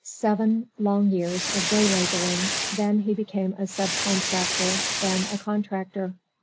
Seven long years of day laboring, then he became a sub contractor, then a contractor.